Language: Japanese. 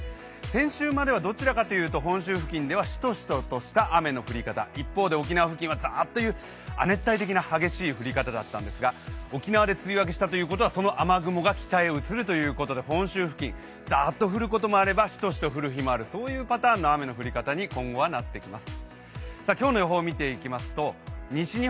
先週まではどちらかというと本州付近ではしとしととした雨の降り方、一方で沖縄付近はザーッという亜熱帯的な激しい降り方だったんですが、沖縄で梅雨明けしたということはその雨雲が北へ移るということで本州付近ザーッと降ることもあればしとしと降る日もある、そういうパターンのに今後はなっていきます。